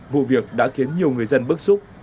vụ việc đã khiến nhiều người dân bức xúc